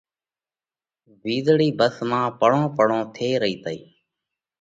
وِيزۯئِي ڀس مانه پڙون پڙون ٿي رئِي تئِي۔